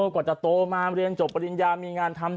กว่าจะโตมาเรียนจบปริญญามีงานทำ